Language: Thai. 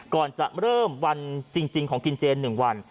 ก่อนจะเริ่มวันจริงของกินเจน๑วัน